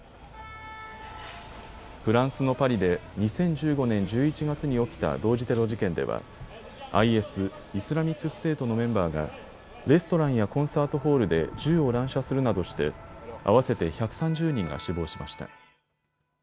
フランスのパリで２０１５年１１月に起きた同時テロ事件ではＩＳ・イスラミックステートのメンバーがレストランやコンサートホールで銃を乱射するなどして合わせて１３０人が死亡しました。